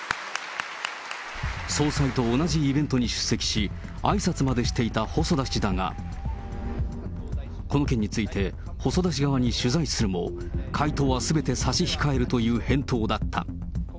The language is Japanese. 総裁と同じイベントに出席し、あいさつまでしていた細田氏だが、この件について、細田氏側に取材するも、回答はすべて差し控えるという返答だった。